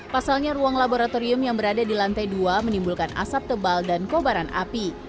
pasalnya ruang laboratorium yang berada di lantai dua menimbulkan asap tebal dan kobaran api